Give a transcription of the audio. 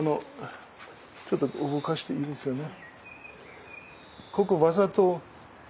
ちょっと動かしていいですよね。